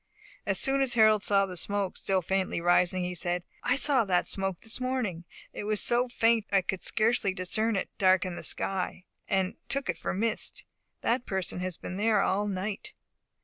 As soon as Harold saw the smoke still faintly rising, he said, "I saw that smoke this morning. It was so faint I could scarcely discern it darken the sky, and took it for mist. That person has been there all night."